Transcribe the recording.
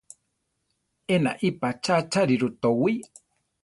Enaí patzá acháriru towí.